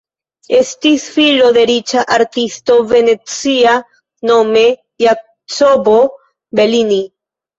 Estis filo de riĉa artisto venecia, nome Jacopo Bellini.